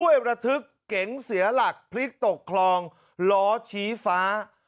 ระทึกเก๋งเสียหลักพลิกตกคลองล้อชี้ฟ้า